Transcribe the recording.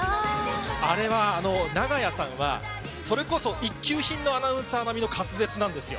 あれは、ながやさんは、それこそ一級品のアナウンサー並みの滑舌なんですよ。